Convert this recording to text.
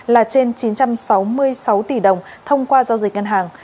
là trên chín trăm sáu mươi sáu tỷ đồng thông qua giao dịch ngân hàng